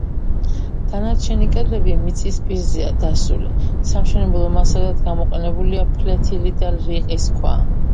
დანარჩენი კედლები მიწის პირზეა დასული; სამშენებლო მასალად გამოყენებულია ფლეთილი და რიყის ქვა.